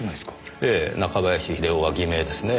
ええ中林秀雄は偽名ですねぇ。